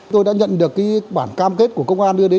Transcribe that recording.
tôi đã nhận được cái bản cam kết của công an đưa đến